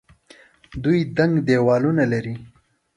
دوی دنګ دیوالونه لري.